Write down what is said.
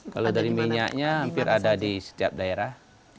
kalau dari minyaknya hampir ada di setiap daerah